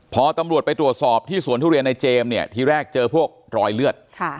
พอตำรวจไปตรวจสอบที่สวนทุเรียนในเจมส์เนี่ยทีแรกเจอพวกรอยเลือด